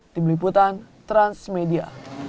tim liputan transmedia